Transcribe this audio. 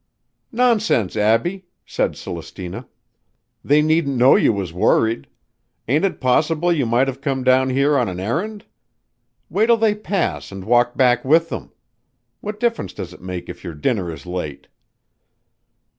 "Nonsense, Abbie!" said Celestina. "They needn't know you was worried. Ain't it possible you might have come down here on an errand? Wait 'til they pass and walk back with 'em. What difference does it make if your dinner is late?"